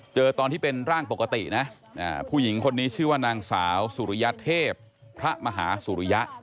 ตอนที่เป็นร่างปกตินะผู้หญิงคนนี้ชื่อว่านางสาวสุริยเทพพระมหาสุริยะ